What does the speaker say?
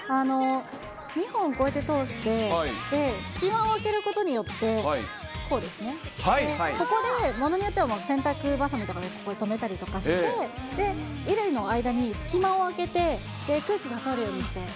２本こうやって通して、隙間を空けることによって、こうですね、ここでものによっては洗濯ばさみとかでここで留めたりとかして、衣類の間に隙間を空けて、空気が通るようにしています。